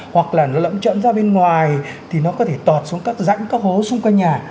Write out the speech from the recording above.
hoặc là nó lẩm trẫn ra bên ngoài thì nó có thể tọt xuống các rãnh các hố xung quanh nhà